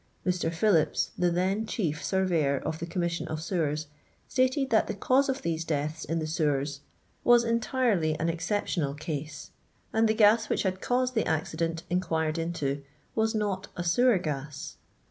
Air. Phillips, the then chief surveyor of the Commission of Sewers, stated that the cause of these deaths in the sewers was entirely an exceptional case, and the gas which had caused the accident inquired into was not a sewer gas.